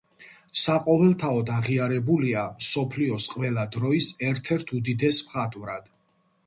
საყოველთაოდ აღიარებულია მსოფლიოს ყველა დროის ერთ-ერთ უდიდეს მხატვრად.